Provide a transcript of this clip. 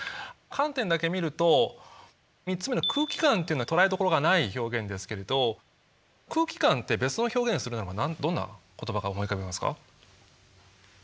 観点だけ見ると３つ目の「空気感」っていうのは捕らえどころがない表現ですけれど「空気感」って別の表現するならばどんな言葉が思い浮かびますか？